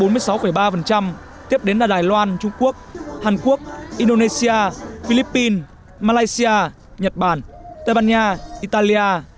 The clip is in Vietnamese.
tiếp đến là đài loan trung quốc hàn quốc indonesia philippines malaysia nhật bản tây ban nha italia